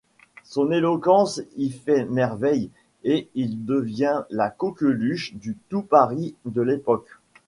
Son éloquence y fait merveille et il devient la coqueluche du Tout-Paris de l'époque.